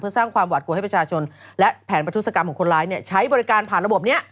สร้างความหวัดกลัวให้ประชาชนและแผนประทุศกรรมของคนร้ายใช้บริการผ่านระบบนี้